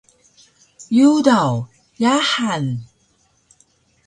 Yudaw: Yahan!